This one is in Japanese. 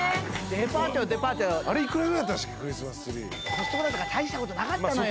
コストコだったから大したことなかったのよ。